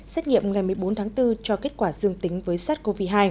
xét nghiệm ngày một mươi bốn tháng bốn cho kết quả dương tính với sars cov hai